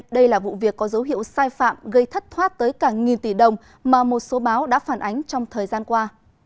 đây là vụ việc có dấu hiệu sai phạm gây thất thoát tới cả nghìn tỷ đồng mà một số báo đã phản ánh trong thời gian qua